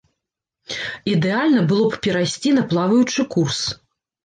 Ідэальна было б перайсці на плаваючы курс.